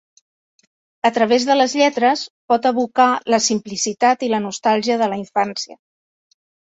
A través de les lletres, pot evocar la simplicitat i la nostàlgia de la infància.